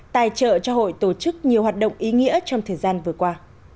tài trợ cho hội tổ chức nhiều hoạt động ý nghĩa trong thời gian vừa qua